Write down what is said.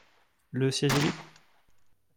Le siège est libre ?